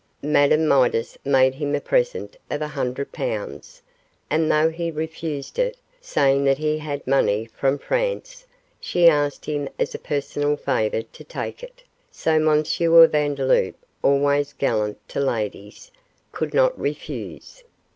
Madame Midas made him a present of a hundred pounds, and, though he refused it, saying that he had money from France, she asked him as a personal favour to take it; so M. Vandeloup, always gallant to ladies, could not refuse.